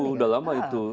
udah lama itu